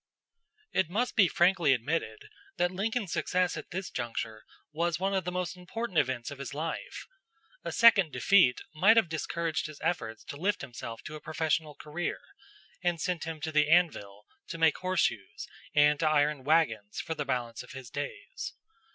It must be frankly admitted that Lincoln's success at this juncture was one of the most important events of his life. A second defeat might have discouraged his efforts to lift himself to a professional career, and sent him to the anvil to make horseshoes and to iron wagons for the balance of his days.